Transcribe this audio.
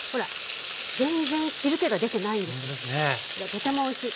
とてもおいしい。